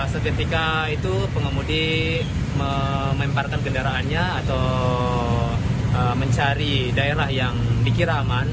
sebetika itu pengundi mememparkan kendaraannya atau mencari daerah yang dikira aman